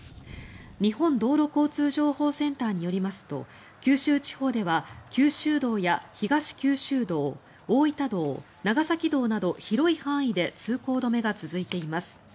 日本道路交通情報センターによりますと九州地方では九州道や東九州道、大分道長崎道など広い範囲で通行止めが続いています。